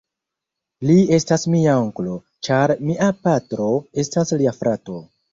Li estas mia onklo, ĉar mia patro estas lia frato.